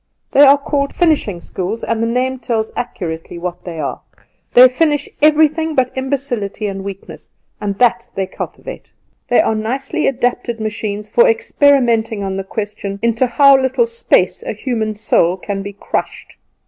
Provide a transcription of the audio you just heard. They are called finishing schools, and the name tells accurately what they are. They finish everything but imbecility and weakness, and that they cultivate. They are nicely adapted machines for experimenting on the question, 'Into how little space a human soul can be crushed?